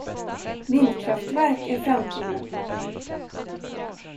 Vindkraftverk är framtiden!